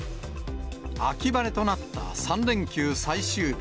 秋晴れとなった３連休最終日。